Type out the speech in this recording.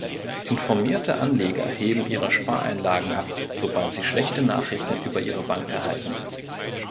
Informierte Anleger heben ihre Spareinlagen ab, sobald sie schlechte Nachrichten über ihre Bank erhalten.